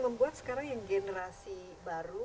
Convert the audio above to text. membuat sekarang yang generasi baru